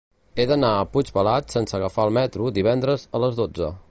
He d'anar a Puigpelat sense agafar el metro divendres a les dotze.